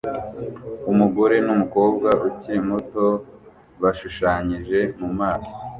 Umugore numukobwa ukiri muto bashushanyije mu maso